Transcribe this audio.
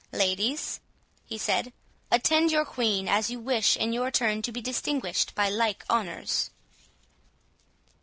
—Ladies," he said, "attend your Queen, as you wish in your turn to be distinguished by like honours."